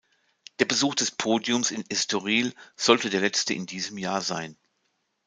Der Besuch des Podiums in Estoril sollte der letzte in diesem Jahr sein.